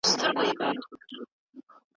د کلیو په ښوونځیو کي د بهرنیو ژبو ښوونکي نه وو.